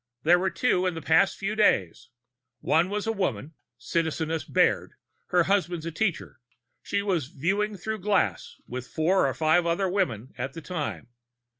"There were two in the past few days. One was a woman Citizeness Baird; her husband's a teacher. She was Viewing Through Glass with four or five other women at the time.